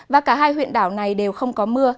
và cả hai huyện đảo này đều không có mưa